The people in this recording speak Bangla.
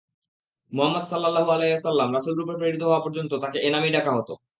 মুহাম্মাদ সাল্লাল্লাহু আলাইহি ওয়াসাল্লাম রাসূলরূপে প্রেরিত হওয়া পর্যন্ত তাকে এ নামেই ডাকা হত।